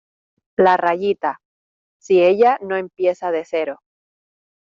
la rayita. si ella no empieza de cero